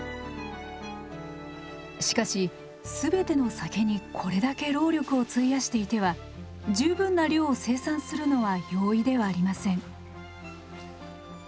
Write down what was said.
しかしすべての酒にこれだけ労力を費やしていては十分な量を生産するのは容易ではありません。